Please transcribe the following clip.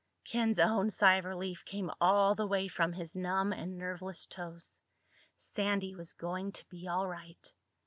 Ken's own sigh of relief came all the way from his numb and nerveless toes. Sandy was going to be all right.